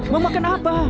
mau makan apa